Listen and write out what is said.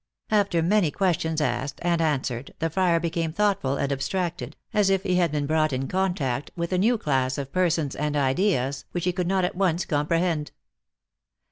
After many questions asked and answered, the friar became thoughtful and abstracted, as if he had been brought in contact with a new class of persons and ideas, which he could not at once com prehend.